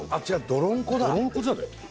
どろんこじゃない？